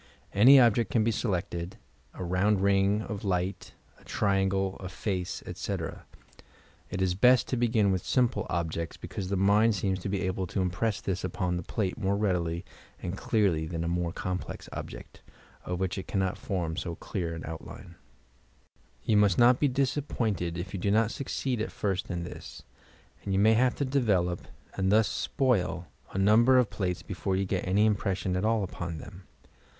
Any object can be selected — a round ring of light, a triangle, a face, etc. It is best to begin with simple objects, because the mind f THOUGHT PHOTOaRAPHT 339 ^^W eeems able to impress this upon the plate more readily and clearly than a more complex object, of which it can not form BO clear an outline. Ton must not be disappointed if you do not succeed at first in this, and you may have to develop (and thus spoil) a number of plates before you get any impression at all upon them.